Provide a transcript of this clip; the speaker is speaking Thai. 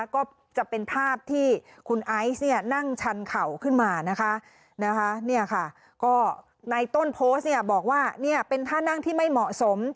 ก็จะเป็นภาพที่คุณไอซ์นั่งชันเข่าขึ้นมาในต้นโพสต์บอกว่าเป็นท่านั่งที่ไม่เหมาะสม